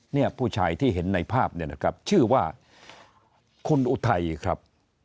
เนี่ยผู้ชายที่เห็นในภาพชื่อว่าคุณอุทัยครับ